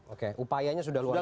oke upayanya sudah luar biasa